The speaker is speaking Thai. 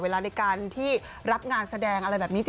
เวลาในการที่รับงานแสดงอะไรแบบนี้